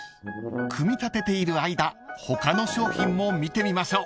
［組み立てている間他の商品も見てみましょう］